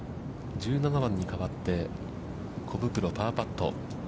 １７番にかわって、小袋、パーパット。